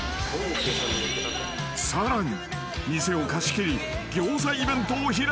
［さらに］